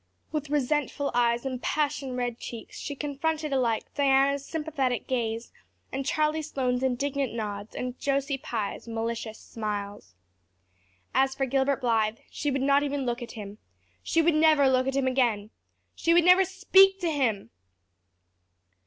With resentful eyes and passion red cheeks she confronted alike Diana's sympathetic gaze and Charlie Sloane's indignant nods and Josie Pye's malicious smiles. As for Gilbert Blythe, she would not even look at him. She would never look at him again! She would never speak to him!!